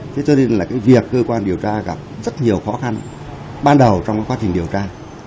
thế cho nên là cái việc cơ quan điều tra gặp rất nhiều khó khăn ban đầu trong cái quá trình điều tra